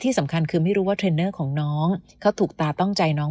สำคัญคือไม่รู้ว่าเทรนเนอร์ของน้องเขาถูกตาต้องใจน้อง